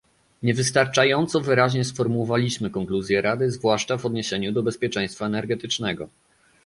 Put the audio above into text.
niewystarczająco wyraźnie sformułowaliśmy konkluzje Rady, zwłaszcza w odniesieniu do bezpieczeństwa energetycznego